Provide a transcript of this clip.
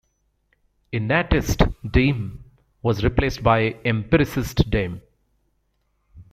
"Innatist" deism was replaced by "empiricist" deism.